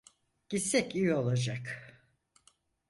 Gitsek iyi olacak.